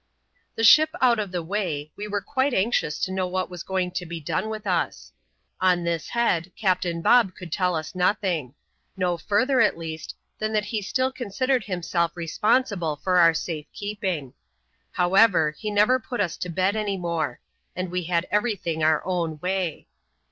The ship out of the way, we were quite anxious to know lAat was going to be done with us. On l^s head. Captain M could tell us nothing ; no further, at least, tlum that he 30 considered himself responsible for our safe keeping. However^ he never put us to bed any more ; and we had every thing <Nff own way.